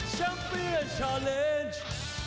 แชมป์เบียร์ชาเลนจ์